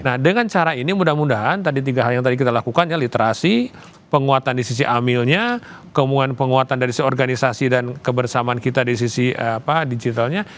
nah dengan cara ini mudah mudahan tadi tiga hal yang tadi kita lakukan ya literasi penguatan di sisi amilnya kemudian penguatan dari seorganisasi dan kebersamaan kita di sisi digitalnya